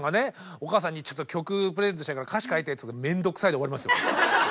お母さんに「ちょっと曲プレゼントしたいから歌詞書いて」って言ったら「めんどくさい」で終わりますよ。